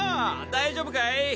大丈夫かい？